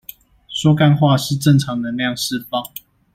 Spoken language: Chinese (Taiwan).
說幹話是正常能量釋放